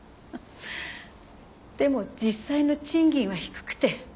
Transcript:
でも実際の賃金は低くて。